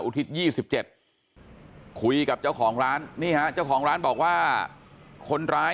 ทิศ๒๗คุยกับเจ้าของร้านนี่ฮะเจ้าของร้านบอกว่าคนร้าย